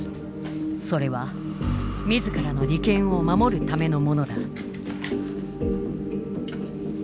それは自らの利権を守るためのものだ。